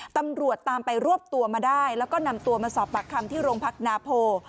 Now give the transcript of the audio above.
ตำรวจตามไปรวบตัวมาได้แล้วก็นำตัวมาสอบปากคำที่โรงพักนาโพ